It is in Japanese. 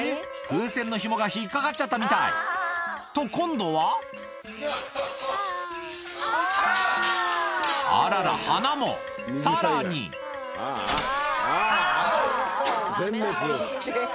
風船のひもが引っ掛かっちゃったみたいと今度はあらら花もさらにああああ全滅。